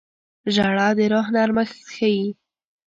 • ژړا د روح نرمښت ښيي.